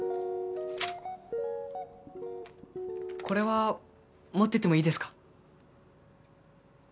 これは持っててもいいですか？